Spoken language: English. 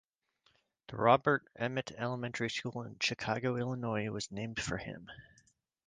The Robert Emmet Elementary School in Chicago, Illinois was named for him.